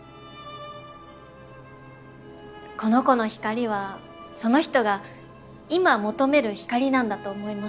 この子の光はその人が今求める光なんだと思います。